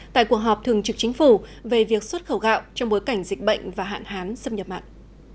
tại cuộc họp thường trực chính phủ về việc xuất khẩu gạo trong bối cảnh dịch bệnh và hạn hán xâm nhập mạng